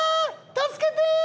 助けてー！